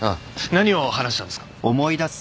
何を話したんですか？